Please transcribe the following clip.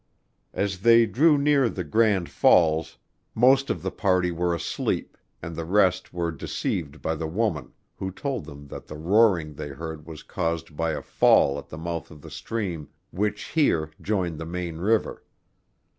As they drew near the Grand Falls, most of the party were asleep; and the rest were deceived by the woman, who told them that the roaring they heard was caused by a fall at the mouth of the stream which here joined the main river.